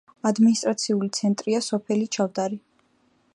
ადმინისტრაციული ცენტრია სოფელი ჩავდარი.